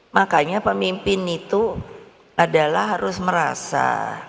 makanya pemimpin itu adalah harus merasa